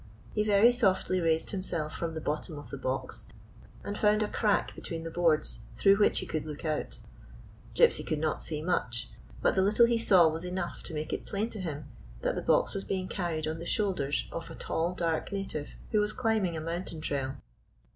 He very softly raised himself from the bottom of the box, and found a crack between the boards through which he could look out. Gypsy could not see much; but the little he saw was enough to make it plain to him that the box was being carried on the shoulders of a 158 WHAT GYPSY FOUND tall, dark native, wlio was climbing a mountain trail.